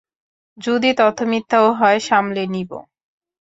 যদি তথ্য মিথ্যাও হয়, সামলে নিব।